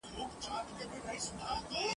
د هغوی به همېشه خاوري په سر وي !.